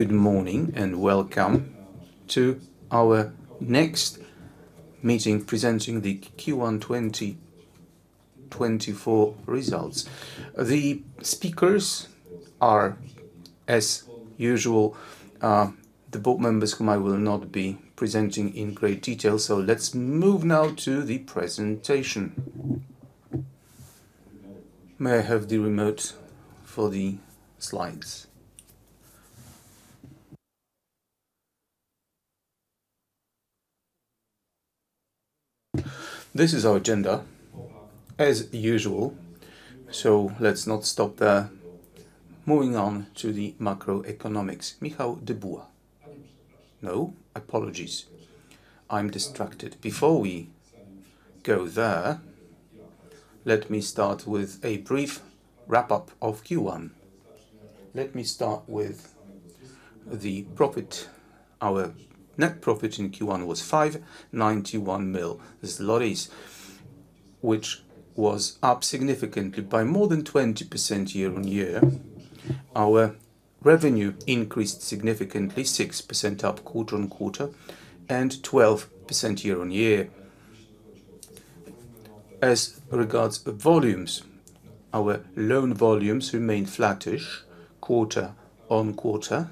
Good morning and welcome to our next meeting presenting the Q1 2024 results. The speakers are, as usual, the board members whom I will not be presenting in great detail, so let's move now to the presentation. May I have the remote for the slides? This is our agenda, as usual, so let's not stop there. Moving on to the macroeconomics. Michał Dybuła. A nie Przeprasz. No, apologies. I'm distracted. Before we go there, let me start with a brief wrap-up of Q1. Let me start with the profit. Our net profit in Q1 was 5,910,000 zlotys, which was up significantly by more than 20% year-over-year. Our revenue increased significantly, 6% up quarter-over-quarter and 12% year-over-year. As regards volumes, our loan volumes remain flattish quarter-over-quarter.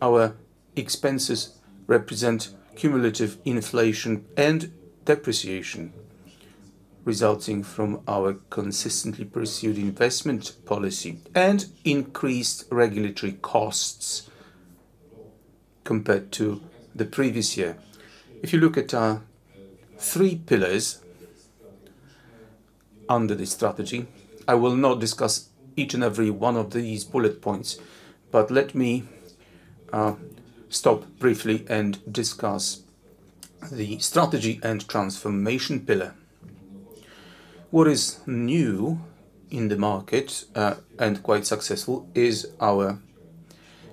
Our expenses represent cumulative inflation and depreciation resulting from our consistently pursued investment policy and increased regulatory costs compared to the previous year. If you look at our three pillars under the strategy, I will not discuss each and every one of these bullet points, but let me stop briefly and discuss the strategy and transformation pillar. What is new in the market and quite successful is our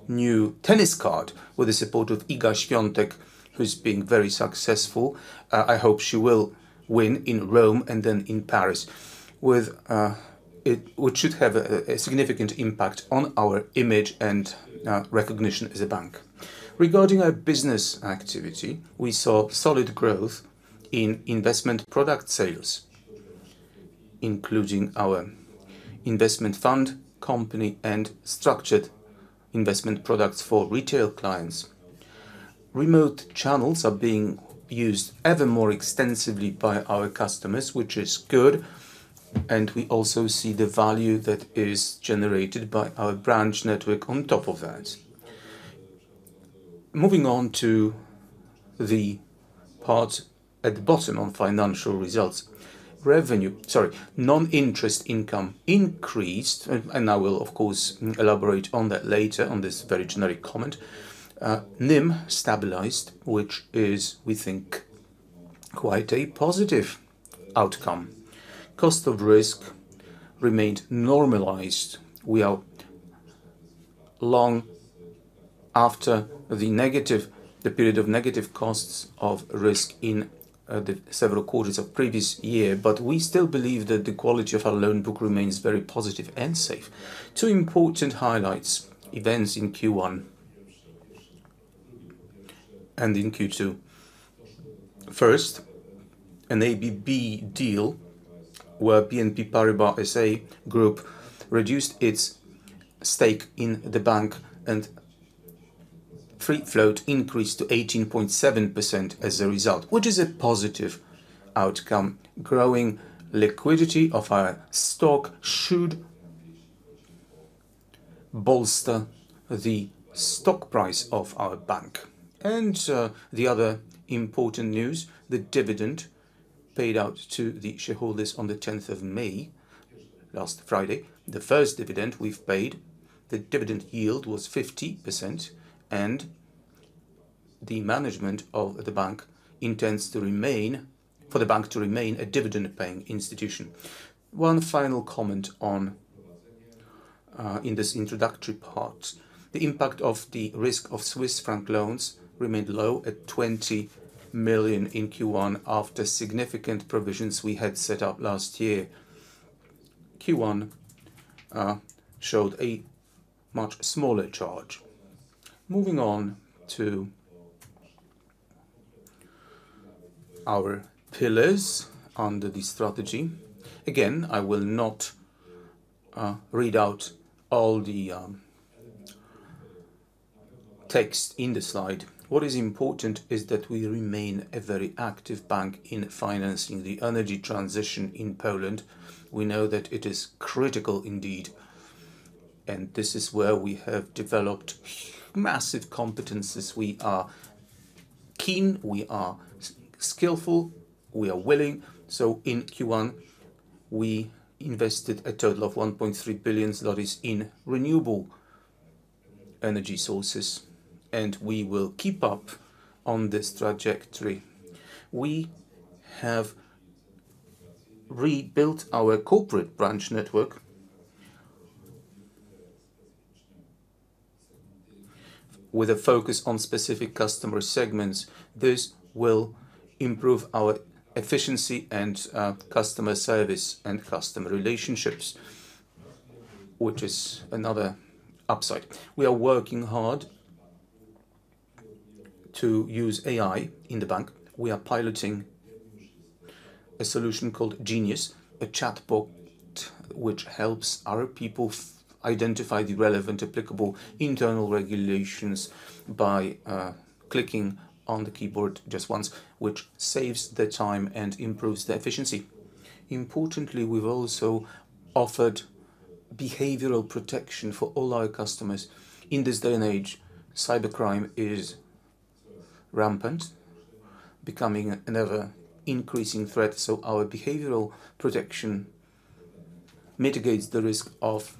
new tennis card with the support of Iga Świątek, who's being very successful. I hope she will win in Rome and then in Paris, which should have a significant impact on our image and recognition as a bank. Regarding our business activity, we saw solid growth in investment product sales, including our investment fund, company, and structured investment products for retail clients. Remote channels are being used ever more extensively by our customers, which is good, and we also see the value that is generated by our branch network on top of that. Moving on to the part at the bottom on financial results. Revenue, sorry, non-interest income increased, and I will, of course, elaborate on that later on this very generic comment. NIM stabilized, which is, we think, quite a positive outcome. Cost of risk remained normalized. We are long after the period of negative costs of risk in several quarters of previous year, but we still believe that the quality of our loan book remains very positive and safe. Two important highlights, events in Q1 and in Q2. First, an ABB deal where BNP Paribas SA Group reduced its stake in the bank and free float increased to 18.7% as a result, which is a positive outcome. Growing liquidity of our stock should bolster the stock price of our bank. The other important news, the dividend paid out to the shareholders on the 10th of May, last Friday. The first dividend we've paid, the dividend yield was 50%, and the management of the bank intends to remain for the bank to remain a dividend-paying institution. One final comment in this introductory part. The impact of the risk of Swiss franc loans remained low at 20 million in Q1 after significant provisions we had set up last year. Q1 showed a much smaller charge. Moving on to our pillars under the strategy. Again, I will not read out all the text in the slide. What is important is that we remain a very active bank in financing the energy transition in Poland. We know that it is critical, indeed, and this is where we have developed massive competencies. We are keen, we are skillful, we are willing. So in Q1, we invested a total of PLN 1.3 billion in renewable energy sources, and we will keep up on this trajectory. We have rebuilt our corporate branch network with a focus on specific customer segments. This will improve our efficiency and customer service and customer relationships, which is another upside. We are working hard to use AI in the bank. We are piloting a solution called Genius, a chatbot which helps our people identify the relevant applicable internal regulations by clicking on the keyboard just once, which saves the time and improves the efficiency. Importantly, we've also offered behavioral protection for all our customers. In this day and age, cybercrime is rampant, becoming an ever-increasing threat, so our behavioral protection mitigates the risk of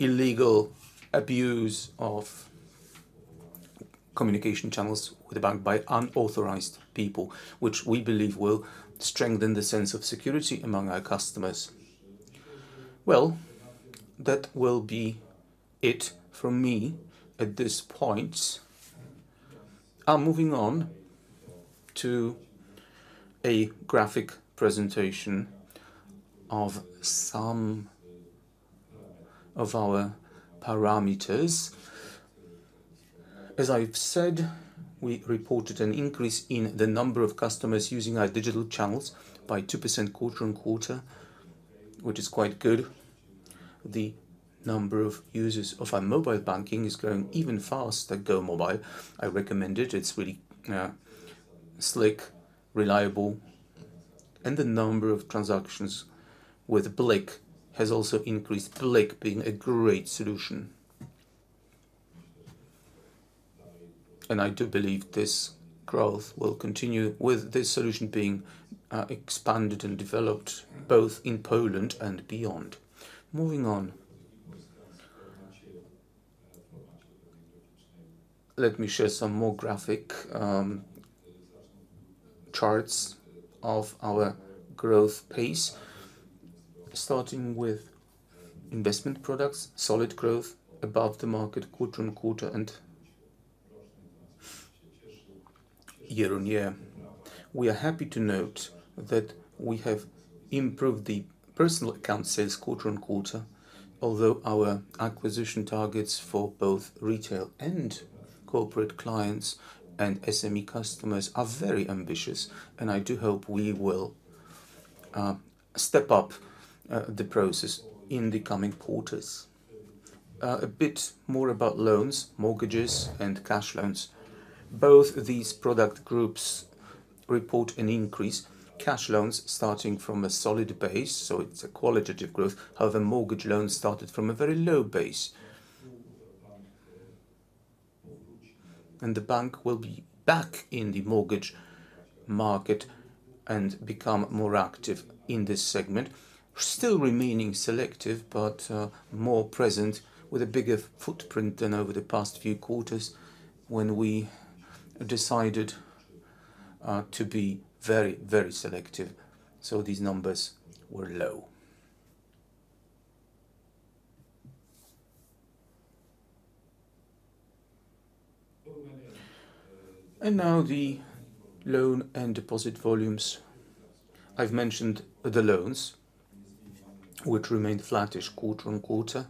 illegal abuse of communication channels with the bank by unauthorized people, which we believe will strengthen the sense of security among our customers. Well, that will be it from me at this point. I'm moving on to a graphic presentation of some of our parameters. As I've said, we reported an increase in the number of customers using our digital channels by 2% quarter-over-quarter, which is quite good. The number of users of our mobile banking is growing even faster than GOmobile. I recommend it. It's really slick, reliable, and the number of transactions with BLIK has also increased, BLIK being a great solution. And I do believe this growth will continue with this solution being expanded and developed both in Poland and beyond. Moving on. Let me share some more graphic charts of our growth pace, starting with investment products, solid growth above the market quarter-on-quarter and year-on-year. We are happy to note that we have improved the personal account sales quarter-on-quarter, although our acquisition targets for both retail and corporate clients and SME customers are very ambitious, and I do hope we will step up the process in the coming quarters. A bit more about loans, mortgages, and cash loans. Both these product groups report an increase. Cash loans starting from a solid base, so it's a qualitative growth. However, mortgage loans started from a very low base, and the bank will be back in the mortgage market and become more active in this segment, still remaining selective but more present with a bigger footprint than over the past few quarters when we decided to be very, very selective. So these numbers were low. Now the loan and deposit volumes. I've mentioned the loans, which remained flattish quarter-over-quarter,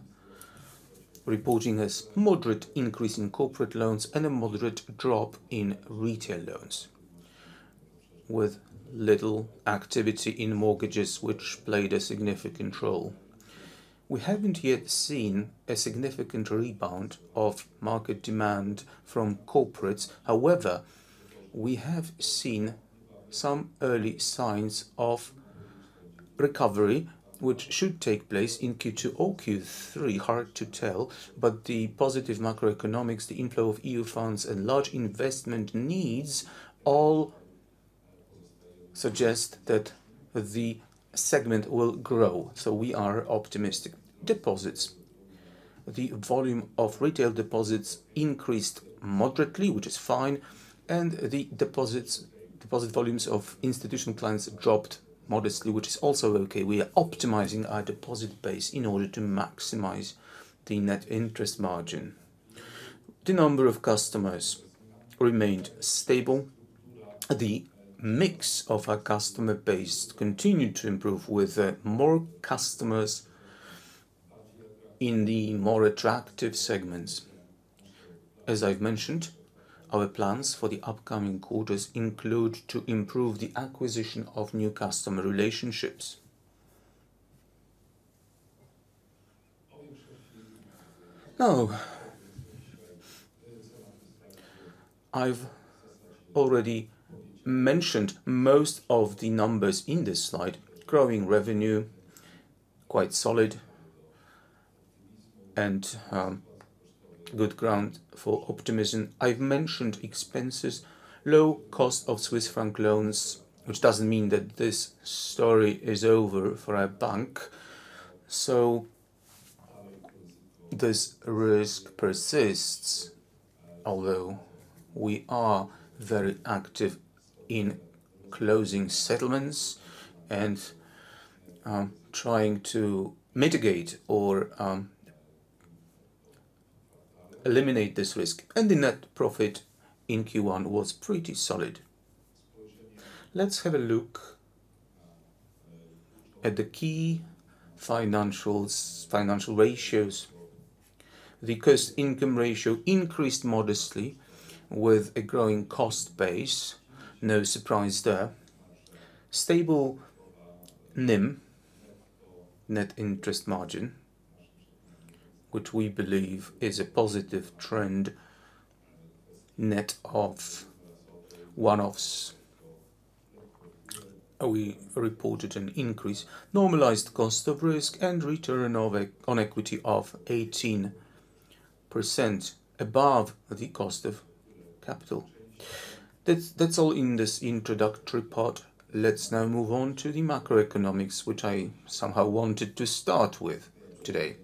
reporting a moderate increase in corporate loans and a moderate drop in retail loans, with little activity in mortgages, which played a significant role. We haven't yet seen a significant rebound of market demand from corporates. However, we have seen some early signs of recovery, which should take place in Q2 or Q3. Hard to tell, but the positive macroeconomics, the inflow of EU funds, and large investment needs all suggest that the segment will grow. So we are optimistic. Deposits. The volume of retail deposits increased moderately, which is fine, and the deposit volumes of institutional clients dropped modestly, which is also okay. We are optimizing our deposit base in order to maximize the net interest margin. The number of customers remained stable. The mix of our customer base continued to improve with more customers in the more attractive segments. As I've mentioned, our plans for the upcoming quarters include to improve the acquisition of new customer relationships. Now, I've already mentioned most of the numbers in this slide. Growing revenue, quite solid and good ground for optimism. I've mentioned expenses, low cost of Swiss franc loans, which doesn't mean that this story is over for our bank. So this risk persists, although we are very active in closing settlements and trying to mitigate or eliminate this risk. The net profit in Q1 was pretty solid. Let's have a look at the key financial ratios. The cost income ratio increased modestly with a growing cost base, no surprise there. Stable NIM, net interest margin, which we believe is a positive trend, net of one-offs. We reported an increase, normalized cost of risk, and return on equity of 18% above the cost of capital. That's all in this introductory part. Let's now move on to the macroeconomics, which I somehow wanted to start with today.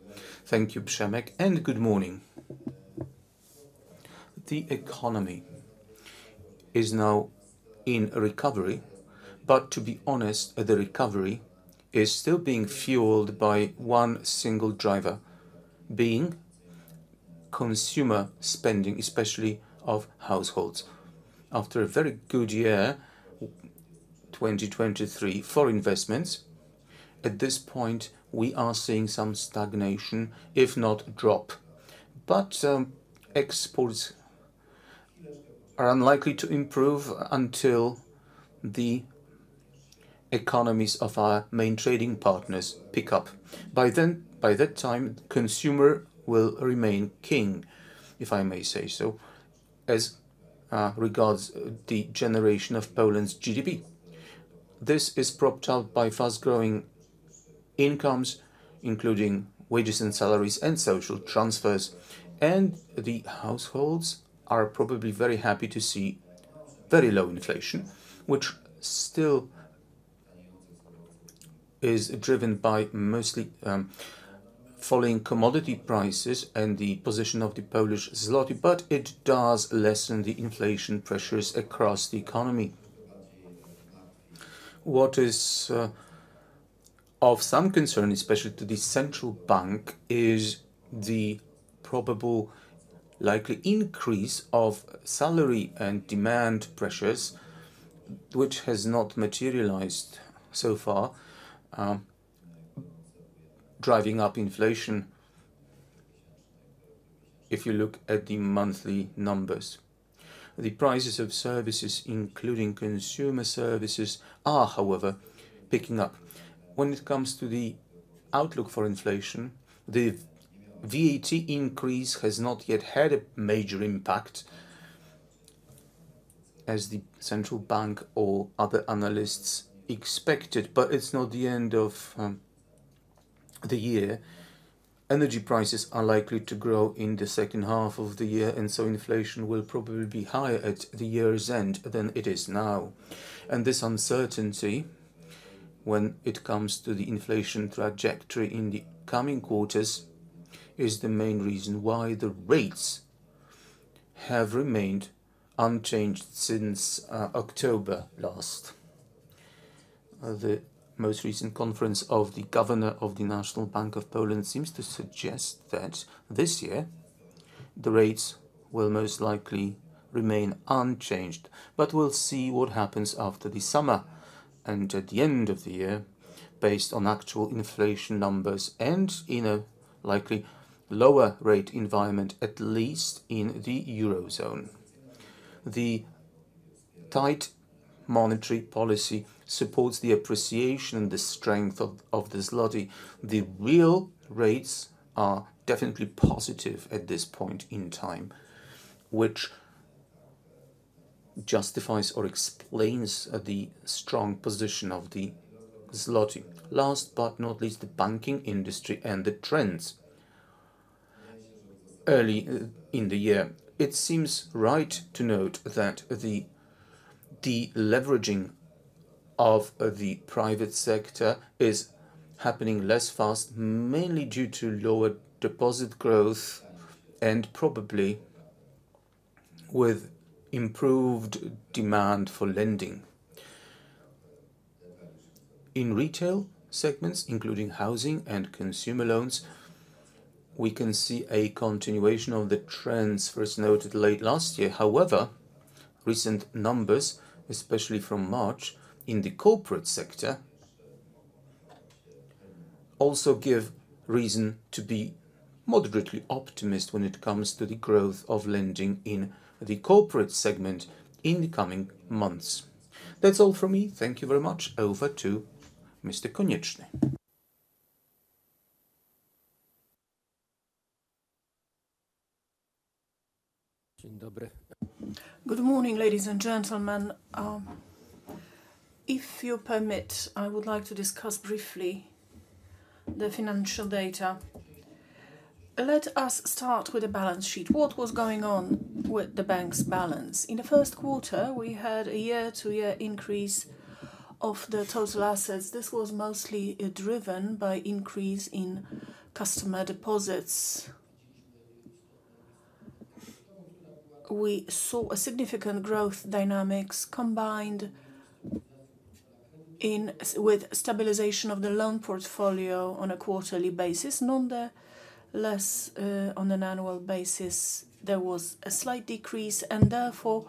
Thank you, Przemek, and good morning. The economy is now in recovery, but to be honest, the recovery is still being fueled by one single driver, being consumer spending, especially of households. After a very good year, 2023, for investments, at this point, we are seeing some stagnation, if not drop. But exports are unlikely to improve until the economies of our main trading partners pick up. By that time, consumer will remain king, if I may say so, as regards the generation of Poland's GDP. This is propped up by fast-growing incomes, including wages and salaries and social transfers, and the households are probably very happy to see very low inflation, which still is driven by mostly falling commodity prices and the position of the Polish złoty, but it does lessen the inflation pressures across the economy. What is of some concern, especially to the central bank, is the probable, likely increase of salary and demand pressures, which has not materialized so far, driving up inflation if you look at the monthly numbers. The prices of services, including consumer services, are, however, picking up. When it comes to the outlook for inflation, the VAT increase has not yet had a major impact as the central bank or other analysts expected, but it's not the end of the year. Energy prices are likely to grow in the second half of the year, and so inflation will probably be higher at the year's end than it is now. This uncertainty, when it comes to the inflation trajectory in the coming quarters, is the main reason why the rates have remained unchanged since October last. The most recent conference of the governor of the National Bank of Poland seems to suggest that this year the rates will most likely remain unchanged, but we'll see what happens after the summer and at the end of the year based on actual inflation numbers and in a likely lower rate environment, at least in the eurozone. The tight monetary policy supports the appreciation and the strength of the złoty. The real rates are definitely positive at this point in time, which justifies or explains the strong position of the złoty. Last but not least, the banking industry and the trends early in the year. It seems right to note that the deleveraging of the private sector is happening less fast, mainly due to lower deposit growth and probably with improved demand for lending. In retail segments, including housing and consumer loans, we can see a continuation of the trends first noted late last year. However, recent numbers, especially from March, in the corporate sector also give reason to be moderately optimistic when it comes to the growth of lending in the corporate segment in the coming months. That's all from me. Thank you very much. Over to Mr. Konieczny. Dzień dobry. Good morning, ladies and gentlemen. If you permit, I would like to discuss briefly the financial data. Let us start with a balance sheet. What was going on with the bank's balance? In the Q1, we had a year-to-year increase of the total assets. This was mostly driven by an increase in customer deposits. We saw significant growth dynamics combined with stabilization of the loan portfolio on a quarterly basis. Nonetheless, on an annual basis, there was a slight decrease, and therefore,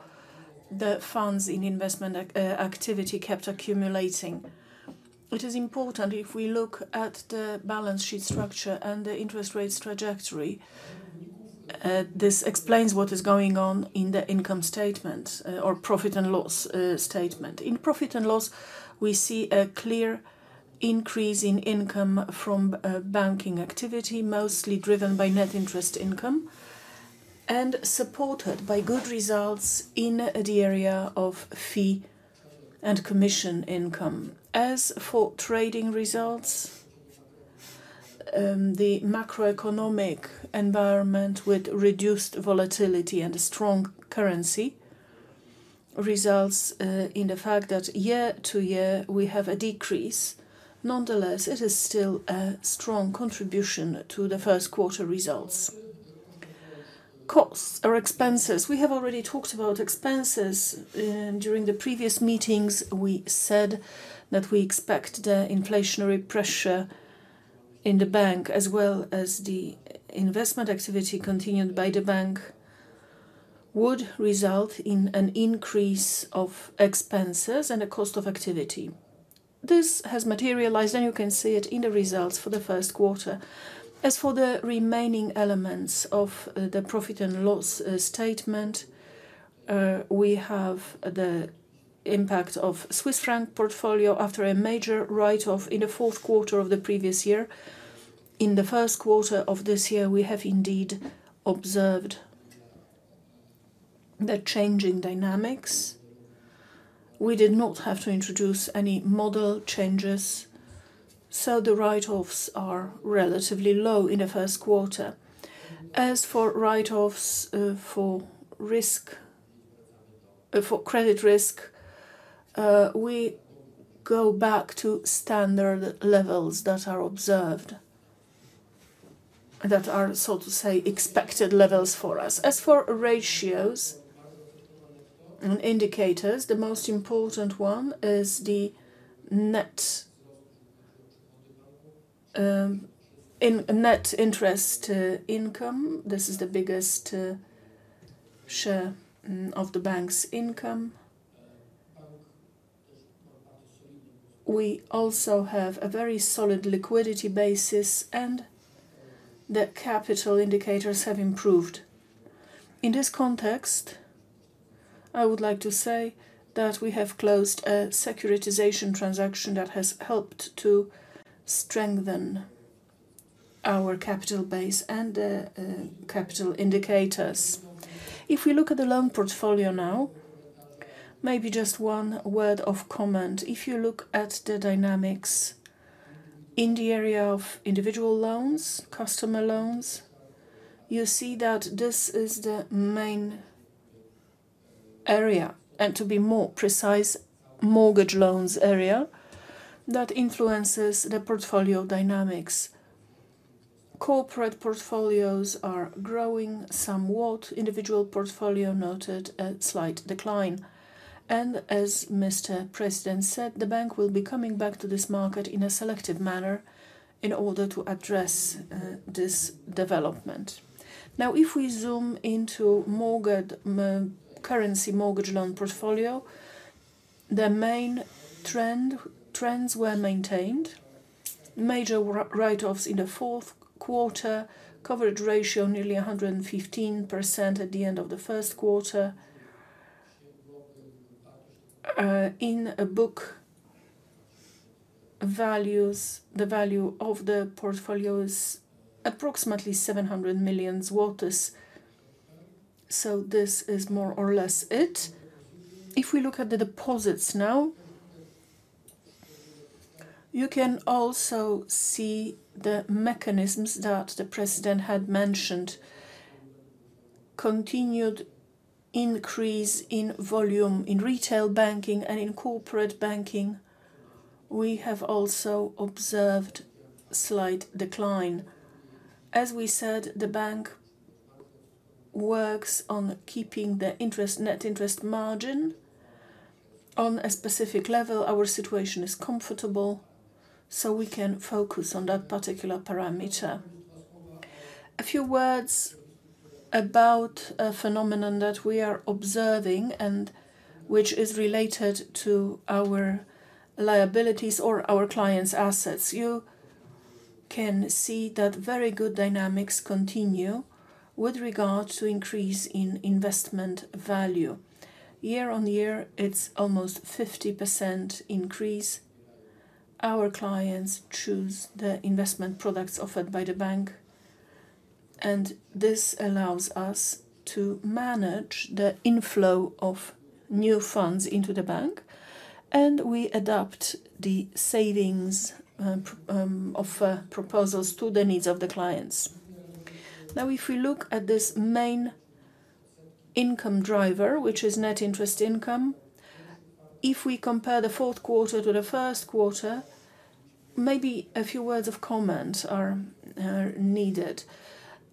the funds in investment activity kept accumulating. It is important if we look at the balance sheet structure and the interest rate trajectory. This explains what is going on in the income statement or profit and loss statement. In profit and loss, we see a clear increase in income from banking activity, mostly driven by net interest income, and supported by good results in the area of fee and commission income. As for trading results, the macroeconomic environment with reduced volatility and a strong currency results in the fact that year-to-year we have a decrease. Nonetheless, it is still a strong contribution to the Q1 results. Costs or expenses. We have already talked about expenses during the previous meetings. We said that we expect the inflationary pressure in the bank, as well as the investment activity continued by the bank, would result in an increase of expenses and a cost of activity. This has materialized, and you can see it in the results for the Q1. As for the remaining elements of the profit and loss statement, we have the impact of the Swiss franc portfolio after a major write-off in the fourth quarter of the previous year. In the Q1 of this year, we have indeed observed the changing dynamics. We did not have to introduce any model changes, so the write-offs are relatively low in the Q1. As for write-offs for risk, for credit risk, we go back to standard levels that are observed, that are so to say expected levels for us. As for ratios and indicators, the most important one is the net interest income. This is the biggest share of the bank's income. We also have a very solid liquidity basis, and the capital indicators have improved. In this context, I would like to say that we have closed a securitization transaction that has helped to strengthen our capital base and the capital indicators. If we look at the loan portfolio now, maybe just one word of comment. If you look at the dynamics in the area of individual loans, customer loans, you see that this is the main area, and to be more precise, mortgage loans area, that influences the portfolio dynamics. Corporate portfolios are growing somewhat, individual portfolio noted a slight decline. As Mr. President said, the bank will be coming back to this market in a selective manner in order to address this development. Now, if we zoom into the currency mortgage loan portfolio, the main trends were maintained: major write-offs in the fourth quarter, coverage ratio nearly 115% at the end of the Q1. In a book, the value of the portfolio is approximately 700 million zlotys, so this is more or less it. If we look at the deposits now, you can also see the mechanisms that the President had mentioned: continued increase in volume in retail banking and in corporate banking. We have also observed a slight decline. As we said, the bank works on keeping the net interest margin on a specific level. Our situation is comfortable, so we can focus on that particular parameter. A few words about a phenomenon that we are observing and which is related to our liabilities or our clients' assets. You can see that very good dynamics continue with regard to an increase in investment value. Year on year, it's almost a 50% increase. Our clients choose the investment products offered by the bank, and this allows us to manage the inflow of new funds into the bank, and we adapt the savings offer proposals to the needs of the clients. Now, if we look at this main income driver, which is net interest income, if we compare the fourth quarter to the Q1, maybe a few words of comment are needed.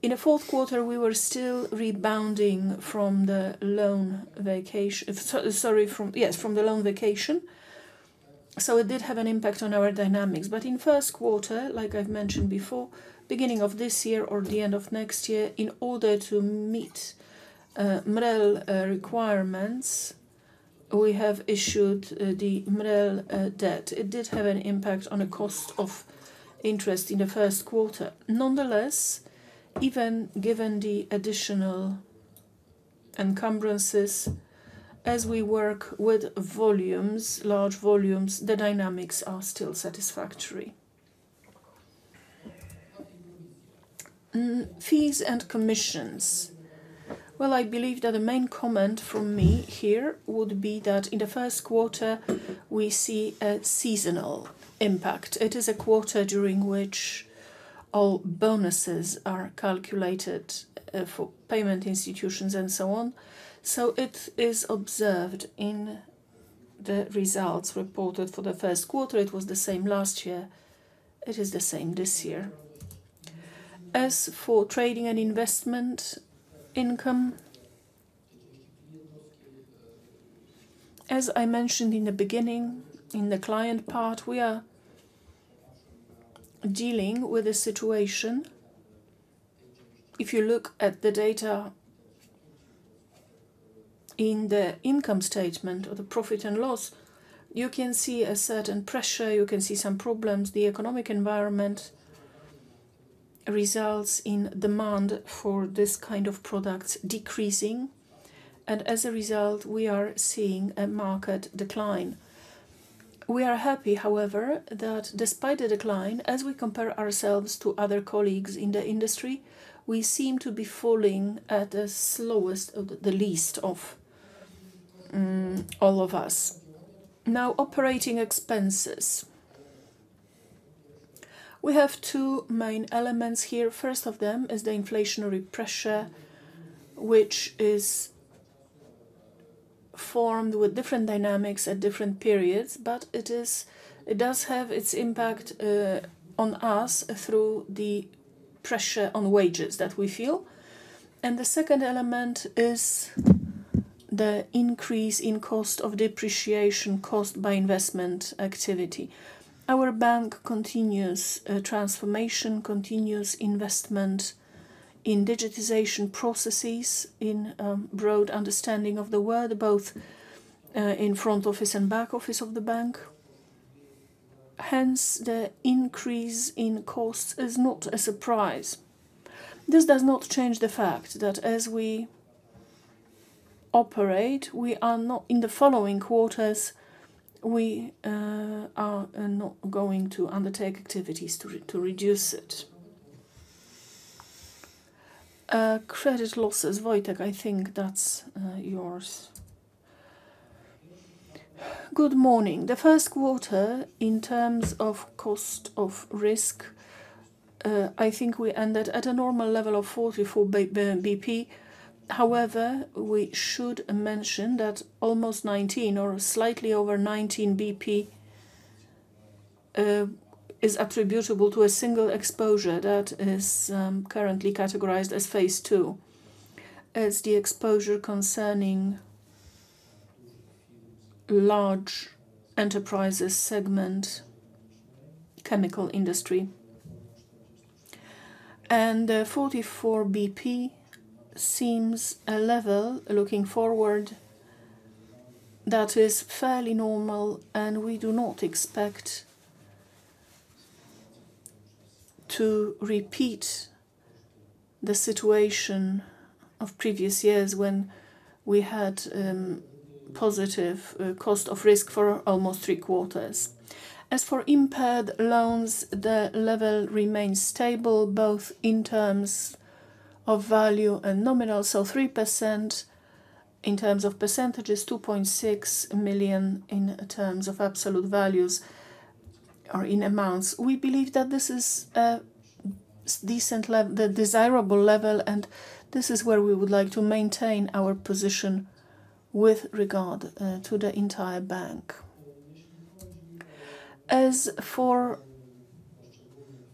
In the fourth quarter, we were still rebounding from the loan vacation. It did have an impact on our dynamics. But in the Q1, like I've mentioned before, beginning of this year or the end of next year, in order to meet MREL requirements, we have issued the MREL debt. It did have an impact on the cost of interest in the Q1. Nonetheless, even given the additional encumbrances, as we work with volumes, large volumes, the dynamics are still satisfactory. Fees and commissions. Well, I believe that the main comment from me here would be that in the Q1, we see a seasonal impact. It is a quarter during which all bonuses are calculated for payment institutions and so on. So it is observed in the results reported for the Q1. It was the same last year. It is the same this year. As for trading and investment income, as I mentioned in the beginning, in the client part, we are dealing with a situation. If you look at the data in the income statement or the profit and loss, you can see a certain pressure. You can see some problems. The economic environment results in demand for this kind of products decreasing, and as a result, we are seeing a market decline. We are happy, however, that despite the decline, as we compare ourselves to other colleagues in the industry, we seem to be falling at the slowest of the least of all of us. Now, operating expenses. We have two main elements here. First of them is the inflationary pressure, which is formed with different dynamics at different periods, but it does have its impact on us through the pressure on wages that we feel. The second element is the increase in cost of depreciation caused by investment activity. Our bank continues transformation, continues investment in digitization processes, in a broad understanding of the word, both in front office and back office of the bank. Hence, the increase in costs is not a surprise. This does not change the fact that as we operate, we are not—in the following quarters, we are not going to undertake activities to reduce it. Credit losses. Wojtek, I think that's yours. Good morning. The Q1, in terms of cost of risk, I think we ended at a normal level of 44 BP. However, we should mention that almost 19 or slightly over 19 BP is attributable to a single exposure that is currently categorized as Stage 2. It's the exposure concerning the large enterprises segment, the chemical industry. 44 BP seems a level, looking forward, that is fairly normal, and we do not expect to repeat the situation of previous years when we had positive cost of risk for almost three quarters. As for impaired loans, the level remains stable both in terms of value and nominal. So 3% in terms of percentages, 2.6 million in terms of absolute values or in amounts. We believe that this is a decent level, the desirable level, and this is where we would like to maintain our position with regard to the entire bank. As for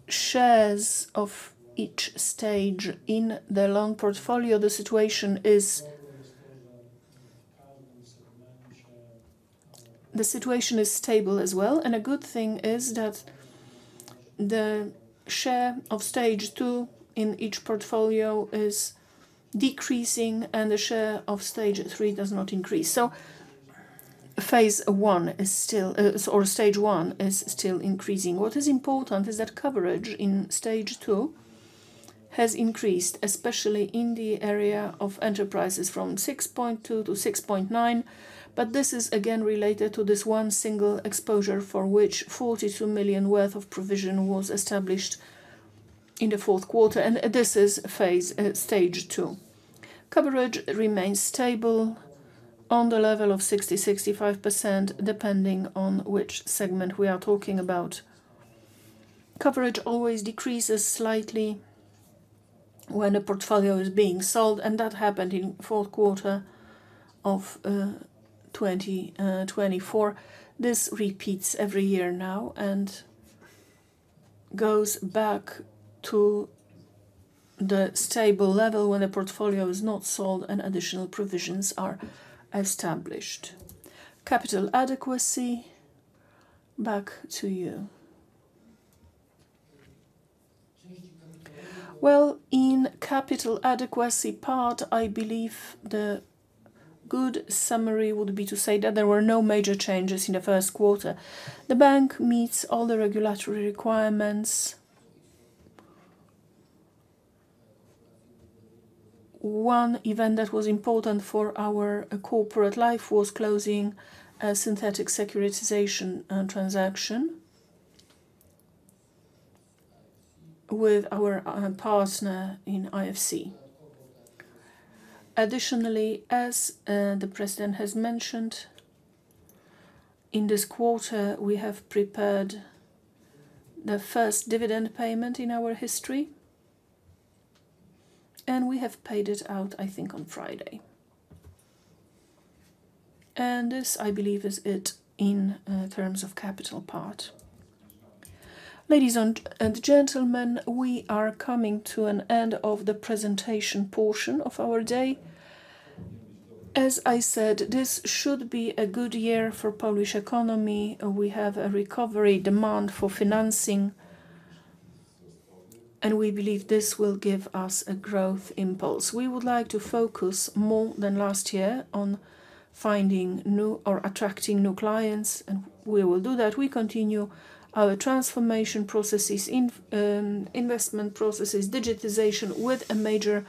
shares of each stage in the loan portfolio, the situation is stable as well, and a good thing is that the share of Stage Two in each portfolio is decreasing, and the share of Stage Three does not increase. So Phase One is still - or Stage One is still increasing. What is important is that coverage in Stage 2 has increased, especially in the area of enterprises from 6.2-6.9, but this is again related to this one single exposure for which 42 million worth of provision was established in the fourth quarter, and this is Stage 2. Coverage remains stable on the level of 60%-65% depending on which segment we are talking about. Coverage always decreases slightly when a portfolio is being sold, and that happened in the fourth quarter of 2024. This repeats every year now and goes back to the stable level when a portfolio is not sold and additional provisions are established. Capital adequacy. Back to you. Well, in the capital adequacy part, I believe the good summary would be to say that there were no major changes in the Q1. The bank meets all the regulatory requirements. One event that was important for our corporate life was closing a synthetic securitization transaction with our partner in IFC. Additionally, as the President has mentioned, in this quarter, we have prepared the first dividend payment in our history, and we have paid it out, I think, on Friday. And this, I believe, is it in terms of the capital part. Ladies and gentlemen, we are coming to an end of the presentation portion of our day. As I said, this should be a good year for the Polish economy. We have a recovery demand for financing, and we believe this will give us a growth impulse. We would like to focus more than last year on finding new or attracting new clients, and we will do that. We continue our transformation processes, investment processes, digitization with a major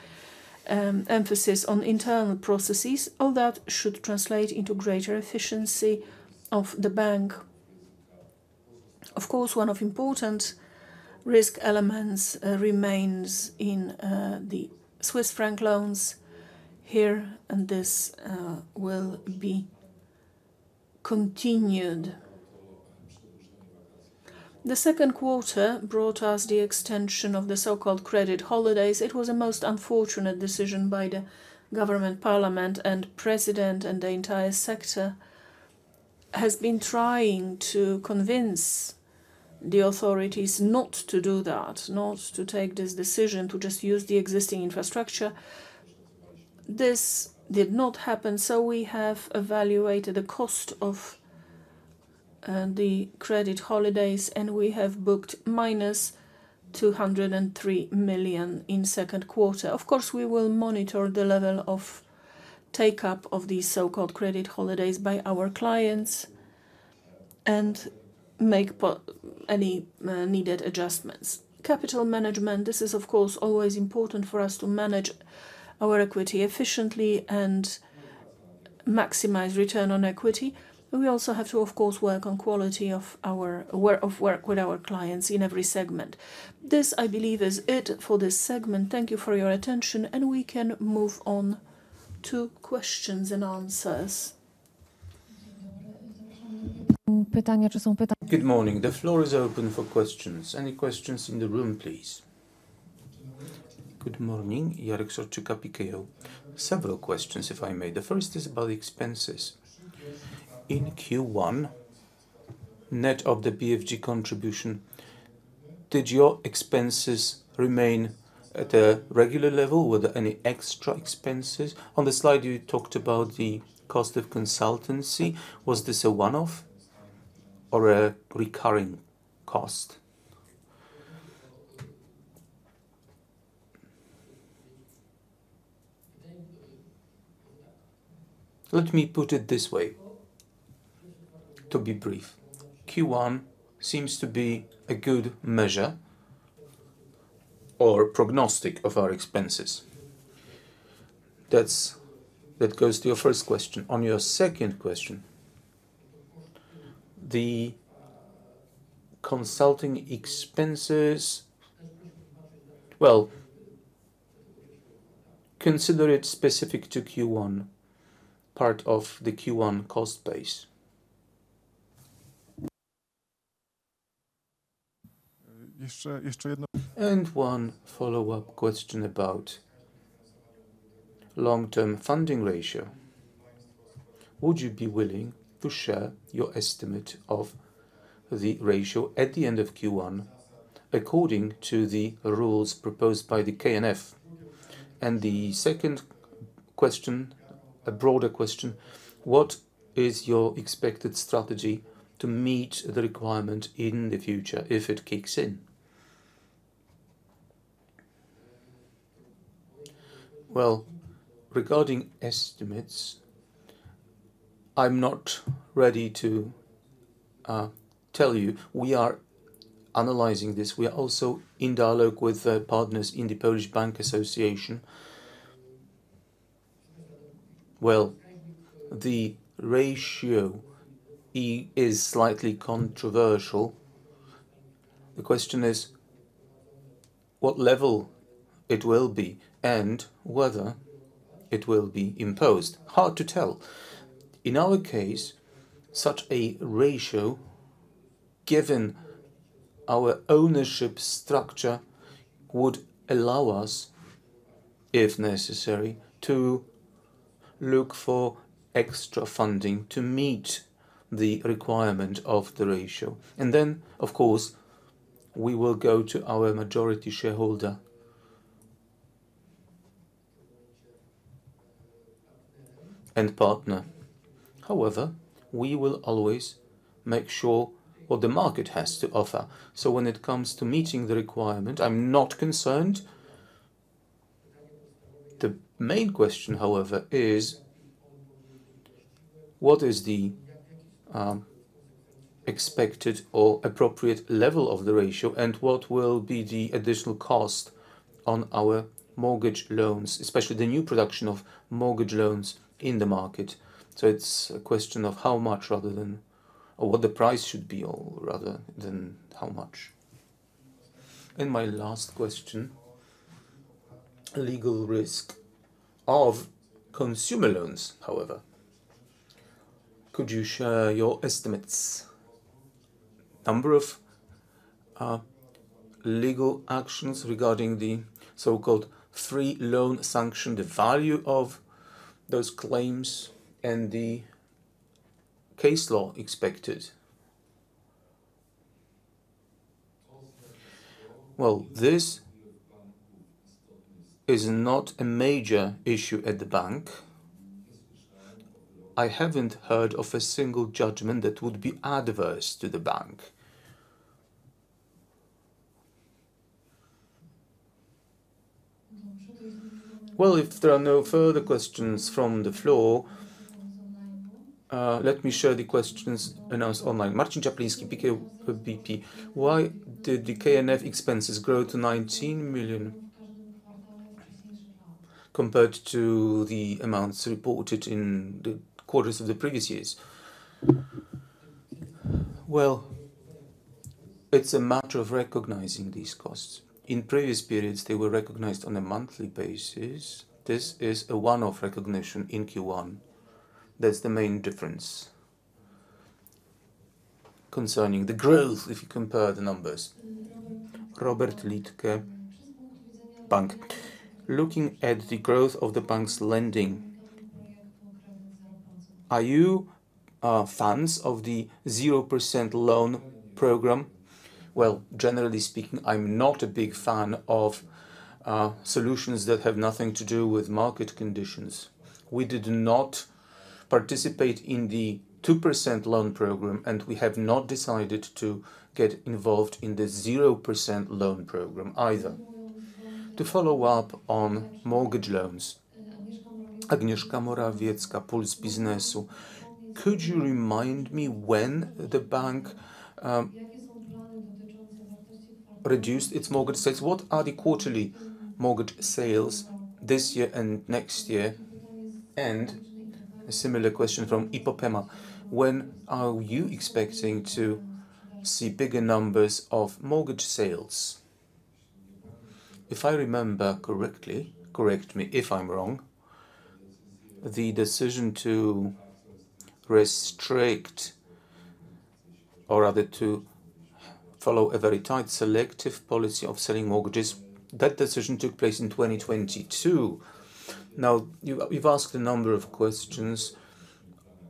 emphasis on internal processes. All that should translate into greater efficiency of the bank. Of course, one of the important risk elements remains in the Swiss franc loans here, and this will be continued. The Q2 brought us the extension of the so-called credit holidays. It was a most unfortunate decision by the government, parliament, and president, and the entire sector has been trying to convince the authorities not to do that, not to take this decision to just use the existing infrastructure. This did not happen, so we have evaluated the cost of the credit holidays, and we have booked -203 million in the Q2. Of course, we will monitor the level of take-up of these so-called credit holidays by our clients and make any needed adjustments. Capital management. This is, of course, always important for us to manage our equity efficiently and maximize return on equity. We also have to, of course, work on the quality of our work with our clients in every segment. This, I believe, is it for this segment. Thank you for your attention, and we can move on to questions and answers. Good morning. The floor is open for questions. Any questions in the room, please? Good morning, Jaromir Szortyka. Several questions, if I may. The first is about expenses. In Q1, net of the BFG contribution, did your expenses remain at a regular level? Were there any extra expenses? On the slide, you talked about the cost of consultancy. Was this a one-off or a recurring cost? Let me put it this way, to be brief. Q1 seems to be a good measure or prognostic of our expenses. That goes to your first question. On your second question, the consulting expenses, well, consider it specific to Q1, part of the Q1 cost base. One follow-up question about the long-term funding ratio. Would you be willing to share your estimate of the ratio at the end of Q1 according to the rules proposed by the KNF? And the second question, a broader question: what is your expected strategy to meet the requirement in the future if it kicks in? Well, regarding estimates, I'm not ready to tell you. We are analyzing this. We are also in dialogue with partners in the Polish Bank Association. Well, the ratio is slightly controversial. The question is what level it will be and whether it will be imposed. Hard to tell. In our case, such a ratio, given our ownership structure, would allow us, if necessary, to look for extra funding to meet the requirement of the ratio. And then, of course, we will go to our majority shareholder and partner. However, we will always make sure what the market has to offer. So when it comes to meeting the requirement, I'm not concerned. The main question, however, is what is the expected or appropriate level of the ratio and what will be the additional cost on our mortgage loans, especially the new production of mortgage loans in the market. So it's a question of how much rather than what the price should be or rather than how much. And my last question, legal risk of consumer loans, however. Could you share your estimates? Number of legal actions regarding the so-called free loan sanction, the value of those claims, and the case law expected? Well, this is not a major issue at the bank. I haven't heard of a single judgment that would be adverse to the bank. Well, if there are no further questions from the floor, let me share the questions announced online. Marcin Czapliński, PKO BP. Why did the KNF expenses grow to 19 million compared to the amounts reported in the quarters of the previous years? Well, it's a matter of recognizing these costs. In previous periods, they were recognized on a monthly basis. This is a one-off recognition in Q1. That's the main difference concerning the growth, if you compare the numbers. Robert Lidke, bank. Looking at the growth of the bank's lending, are you fans of the 0% loan program? Well, generally speaking, I'm not a big fan of solutions that have nothing to do with market conditions. We did not participate in the 2% loan program, and we have not decided to get involved in the 0% loan program either. To follow up on mortgage loans, Agnieszka Morawiecka, Puls Biznesu. Could you remind me when the bank reduced its mortgage sales? What are the quarterly mortgage sales this year and next year? And a similar question from Ipopema. When are you expecting to see bigger numbers of mortgage sales? If I remember correctly, correct me if I'm wrong, the decision to restrict or rather to follow a very tight selective policy of selling mortgages, that decision took place in 2022. Now, you've asked a number of questions.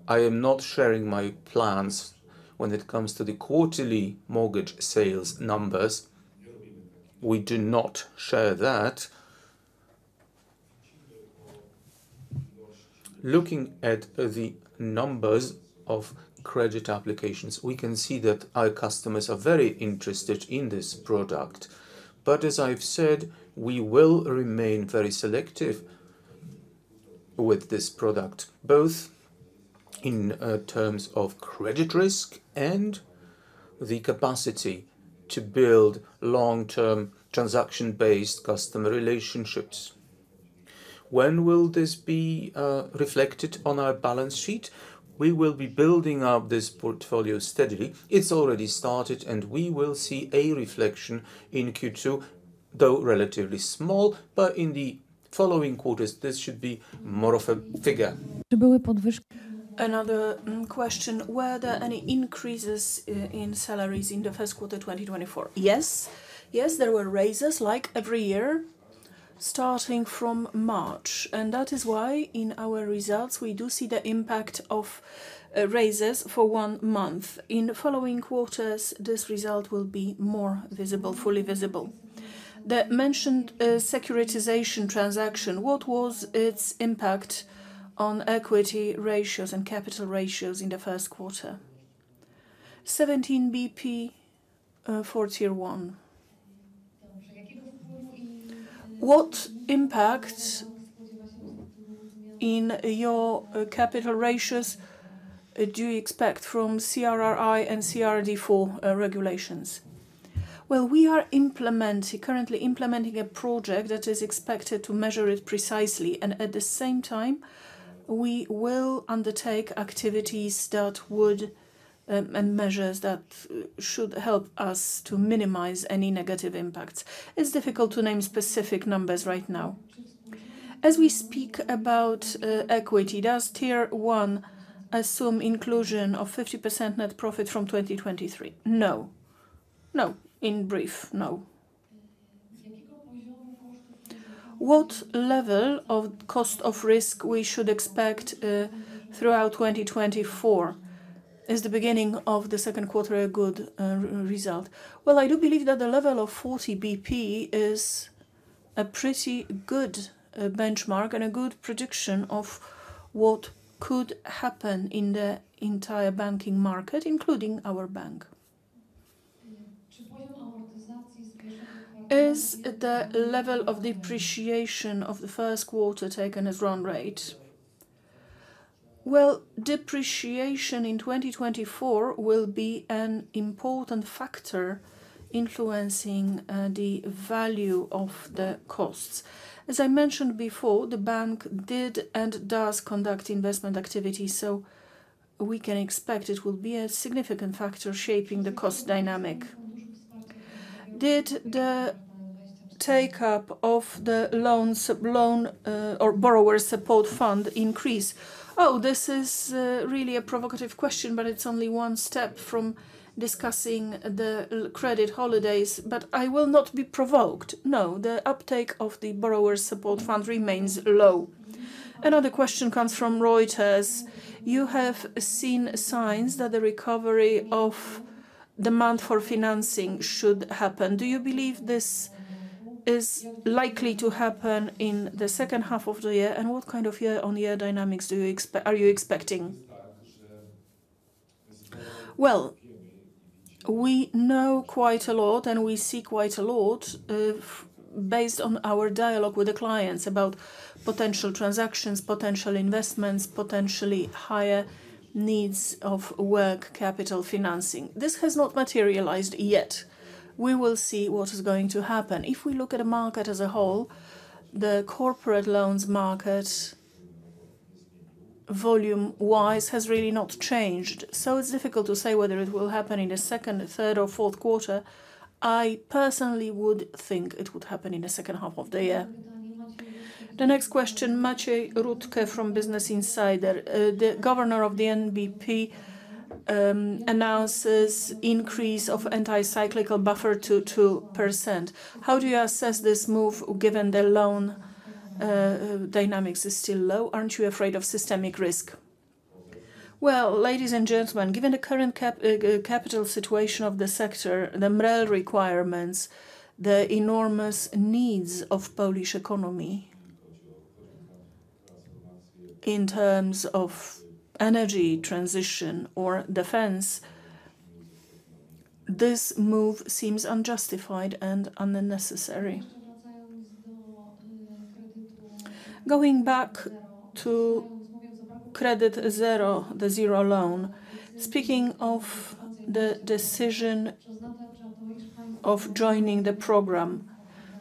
I am not sharing my plans when it comes to the quarterly mortgage sales numbers. We do not share that. Looking at the numbers of credit applications, we can see that our customers are very interested in this product. But as I've said, we will remain very selective with this product, both in terms of credit risk and the capacity to build long-term transaction-based customer relationships. When will this be reflected on our balance sheet? We will be building up this portfolio steadily. It's already started, and we will see a reflection in Q2, though relatively small. In the following quarters, this should be more of a figure. Another question. Were there any increases in salaries in the Q1 2024? Yes. Yes, there were raises like every year starting from March, and that is why in our results we do see the impact of raises for one month. In following quarters, this result will be more visible, fully visible. The mentioned securitization transaction, what was its impact on equity ratios and capital ratios in the Q1? 17 BP for Tier 1. What impact in your capital ratios do you expect from CRRI and CRD4 regulations? Well, we are currently implementing a project that is expected to measure it precisely, and at the same time, we will undertake activities that would and measures that should help us to minimize any negative impacts. It's difficult to name specific numbers right now. As we speak about equity, does Tier 1 assume inclusion of 50% net profit from 2023? No. No, in brief, no. What level of cost of risk we should expect throughout 2024? Is the beginning of the Q2 a good result? Well, I do believe that the level of 40 BP is a pretty good benchmark and a good prediction of what could happen in the entire banking market, including our bank. Is the level of depreciation of the Q1 taken as run rate? Well, depreciation in 2024 will be an important factor influencing the value of the costs. As I mentioned before, the bank did and does conduct investment activity, so we can expect it will be a significant factor shaping the cost dynamic. Did the take-up of the loan or borrower support fund increase? Oh, this is really a provocative question, but it's only one step from discussing the credit holidays. But I will not be provoked. No, the uptake of the borrower support fund remains low. Another question comes from Reuters. You have seen signs that the recovery of demand for financing should happen. Do you believe this is likely to happen in the second half of the year, and what kind of year-on-year dynamics are you expecting? Well, we know quite a lot, and we see quite a lot based on our dialogue with the clients about potential transactions, potential investments, potentially higher needs of working capital financing. This has not materialized yet. We will see what is going to happen. If we look at the market as a whole, the corporate loans market volume-wise has really not changed, so it's difficult to say whether it will happen in the second, third, or fourth quarter. I personally would think it would happen in the second half of the year. The next question, Maciej Rudke from Business Insider. The governor of the NBP announces an increase of the counter-cyclical buffer to 2%. How do you assess this move given the loan dynamics are still low? Aren't you afraid of systemic risk? Well, ladies and gentlemen, given the current capital situation of the sector, the MREL requirements, the enormous needs of the Polish economy in terms of energy, transition, or defense, this move seems unjustified and unnecessary. Going back to credit zero, the zero loan, speaking of the decision of joining the program,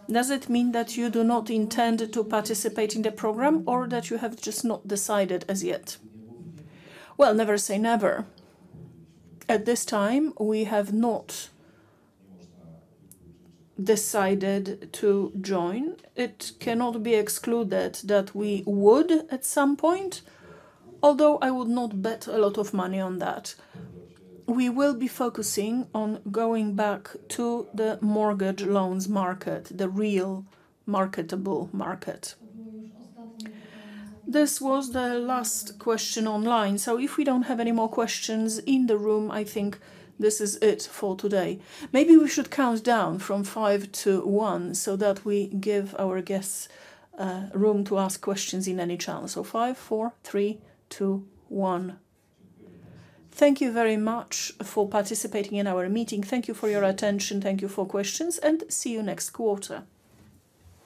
does it mean that you do not intend to participate in the program or that you have just not decided as yet? Well, never say never. At this time, we have not decided to join. It cannot be excluded that we would at some point, although I would not bet a lot of money on that. We will be focusing on going back to the mortgage loans market, the real marketable market. This was the last question online, so if we don't have any more questions in the room, I think this is it for today. Maybe we should count down from five to one so that we give our guests room to ask questions in any chance. So five, four, three, two, one. Thank you very much for participating in our meeting. Thank you for your attention. Thank you for questions, and see you next quarter.